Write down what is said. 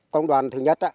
công đoạn thứ nhất